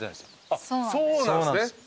あっそうなんすね。